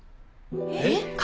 えっ！？